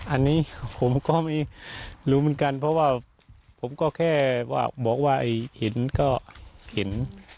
อันนี้ผมก็ไม่รู้เหมือนกันเพราะว่าผมก็แค่บอกว่าเห็นก็เห็น